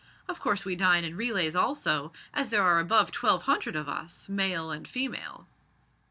Of course we dine in relays also, as there are above twelve hundred of us, male and female."